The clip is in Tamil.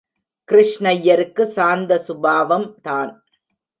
கிருஷ்ணய்யருக்கு சாந்த சுபாவம் தான்.